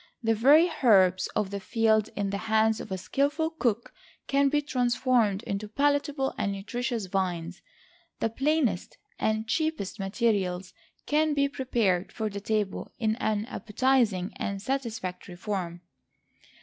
The very herbs of the field in the hands of a skilful cook can be transformed into palatable and nutritious viands. The plainest and cheapest materials can be prepared for the table in an appetizing and satisfactory form.